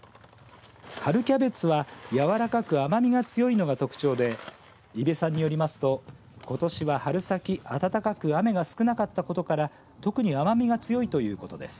春キャベツは柔らかく甘みが強いのが特徴で伊部さんによりますとことしは春先、暖かく雨が少なかったことから特に甘みが強いということです。